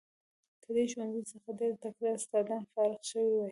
له دې ښوونځي څخه ډیر تکړه استادان فارغ شوي دي.